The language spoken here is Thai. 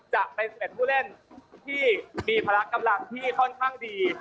จะเป็น๑๑ผู้เล่นที่มีพละกำลังที่ค่อนข้างดี